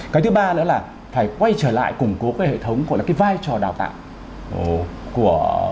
cái thứ ba nữa là phải quay trở lại củng cố cái hệ thống gọi là cái vai trò đào tạo của